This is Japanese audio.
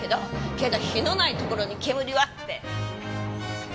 けど火のないところに煙はって。